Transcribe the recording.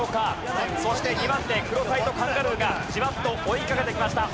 そして２番手クロサイとカンガルーがじわっと追いかけてきました。